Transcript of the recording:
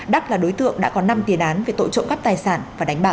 đắc là đối tượng đã có năm tiền án về tội trộm cắp tài sản và đánh bạc